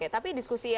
tapi diskusi yang